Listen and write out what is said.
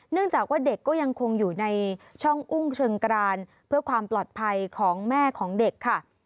จากว่าเด็กก็ยังคงอยู่ในช่องอุ้งเชิงกรานเพื่อความปลอดภัยของแม่ของเด็กค่ะ